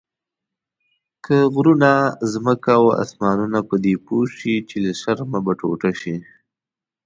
که غرونه، ځمکه او اسمانونه پدې پوه شي له شرمه به ټوټه شي.